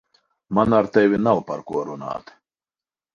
Man ar tevi nav par ko runāt.